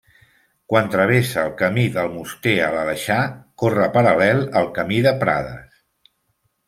Quan travessa el camí d'Almoster a l'Aleixar corre paral·lel al camí de Prades.